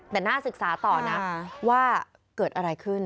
แต่น่าศึกษาต่อนะว่าเกิดอะไรขึ้น